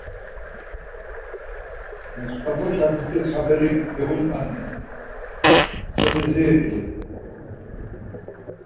“Must̆afaşa muti xaberi giğurani? Soti ziriti?”